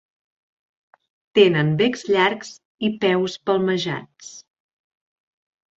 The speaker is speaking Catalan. Tenen becs llargs i peus palmejats.